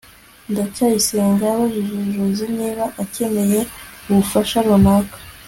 ndacyayisenga yabajije joze niba akeneye ubufasha runaka